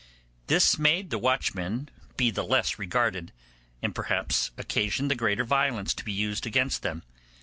This made the watchmen be the less regarded, and perhaps occasioned the greater violence to be used against them.